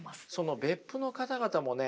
別府の方々もね